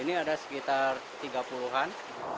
ini ada sekitar tiga puluh an